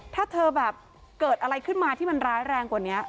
ถ้าเธอแบบเกิดอะไรขึ้นมาที่มันร้ายแรงกว่านี้